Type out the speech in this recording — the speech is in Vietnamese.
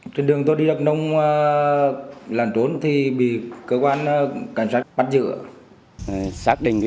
trên đường tôi đi lập nông lẩn trốn thì bị cơ quan cảnh sát bắt giữ